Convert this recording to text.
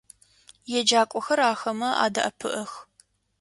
Еджакӏохэр ахэмэ адэӏэпыӏэх.